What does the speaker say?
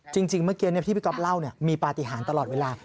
จริงเมื่อกี้ที่พี่ก๊อฟเล่ามีปฏิหารตลอดเวลา